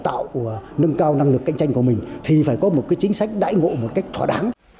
tạo nâng cao năng lực cạnh tranh của mình thì phải có một cái chính sách đãi ngộ một cách thỏa đáng